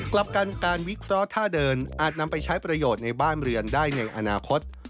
กลับกันการวิเคราะห์ท่าเดินอาจนำไปใช้ประโยชน์ในบ้านเรือนได้ในอนาคต